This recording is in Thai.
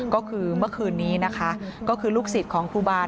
ก็คือเมื่อคืนนี้ลูกศิษย์ของครูบาร์